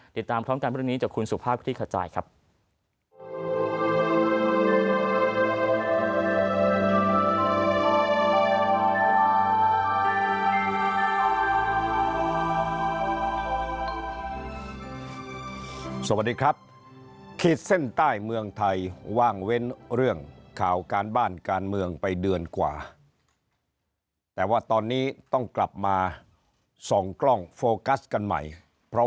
ติดตามพร้อมกันเรื่องนี้จากคุณสุภาพคลิกขจายครับ